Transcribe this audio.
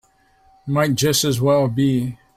Might just as well be.